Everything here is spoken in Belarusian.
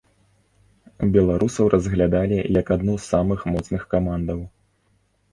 Беларусаў разглядалі як адну з самых моцных камандаў.